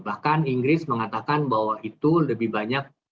bahkan inggris mengatakan bahwa itu lebih banyak